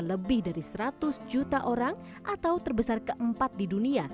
lebih dari seratus juta orang atau terbesar keempat di dunia